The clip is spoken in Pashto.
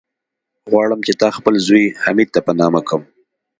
غواړم چې تا خپل زوی، حميد ته په نامه کم.